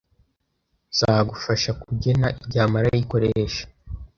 zagufasha kugena igihe amara ayikoresha